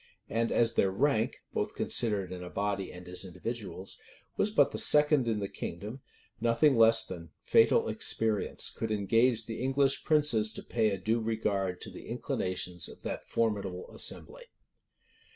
And as their rank, both considered in a body and as individuals, was but the second in the kingdom, nothing less than fatal experience could engage the English princes to pay a due regard to the inclinations of that formidable assembly.